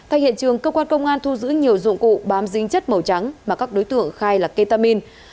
thay hiện trường cơ quan công an thu giữ nhiều dụng cụ bám dính chất màu trắng mà các đối tượng khai là ketamin